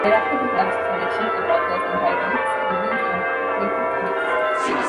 Thereafter the Club's selection of authors and titles reveals an eclectic mix.